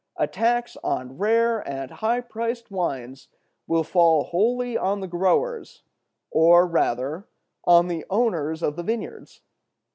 A tax on rare and high priced wines will fall wholly on the growers, or rather, on the owners of the vineyards.